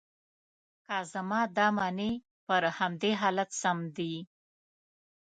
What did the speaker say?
که زما دا منې، پر همدې حالت سم دي.